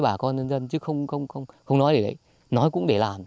tôi không dám ngu sát với bà con dân dân chứ không nói để đấy nói cũng để làm